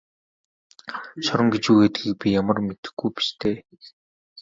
Шорон гэж юу байдгийг би ямар мэдэхгүй биш дээ.